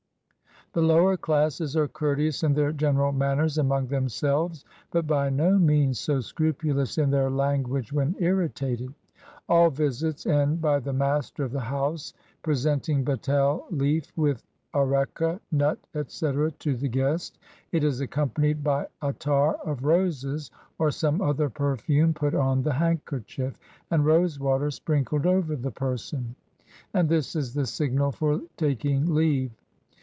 The lower classes are courteous in their general manners among themselves, but by no means so scrupulous in their language when irritated. All visits end by the master of the house presenting betel leaf with areca nut, etc., to the guest: it is accompanied by attar of roses or some other perfume put on the handkerchief, and rosewater sprinkled over the person; and this is the signal for taking leave.